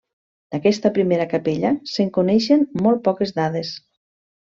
D'aquesta primera capella se'n coneixen molt poques dades.